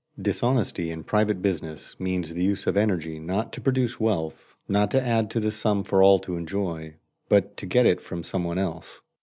Dishonesty in private business means the use of energy not to produce wealth, not to add to the sum for all to enjoy, but to get it from some one else.